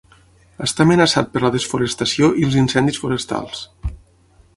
Està amenaçat per la desforestació i els incendis forestals.